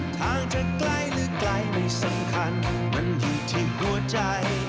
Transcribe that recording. ทางจะไกลหรือไกลไม่สำคัญมันอยู่ที่หัวใจ